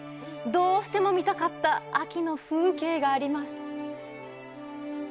どうしても見たかった秋の風景があります。